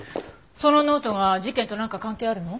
そのノートが事件となんか関係あるの？